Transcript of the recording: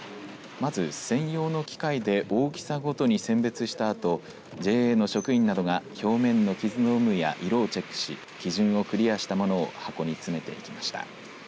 まず専用の機械で大きさごとに選別したあとＪＡへの職員などが表面の傷の有無や色をチェックし基準をクリアしたものを箱に詰めていきました。